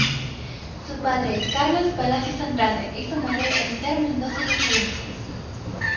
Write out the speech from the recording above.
Su padre es Carlos Palacios Andrade y su madre Esther Mendoza de Palacios.